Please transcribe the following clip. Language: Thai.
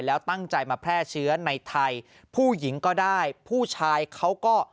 แล้วตั้งใจมาแพร่เชื้อในไทยผู้หญิงก็ได้ผู้ชายเขาก็